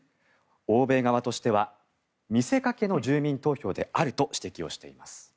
欧米側としては見せかけの住民投票であると指摘をしています。